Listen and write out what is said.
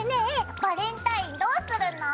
バレンタインどうするの？